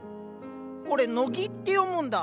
これノギって読むんだ。